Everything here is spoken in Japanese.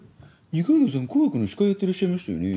二階堂さん『紅白』の司会やってらっしゃいましたよね？」。